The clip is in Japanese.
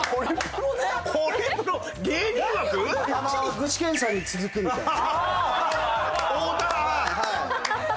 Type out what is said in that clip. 具志堅さんに続くみたいな。